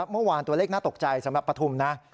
เมื่อวานตัวเลขน่าตกใจสำหรับปฐุมนะ